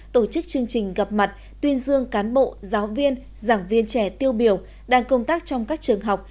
tổ chức chương trình gặp mặt tuyên dương cán bộ giáo viên giảng viên trẻ tiêu biểu đang công tác trong các trường học